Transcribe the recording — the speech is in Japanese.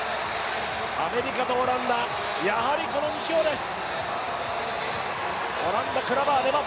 アメリカとオランダ、やはりこの２強です。